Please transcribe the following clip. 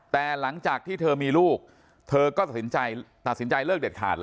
แต่หลังจากที่เธอมีลูกเธอก็ตัดสินใจตัดสินใจเลิกเด็ดขาดเลย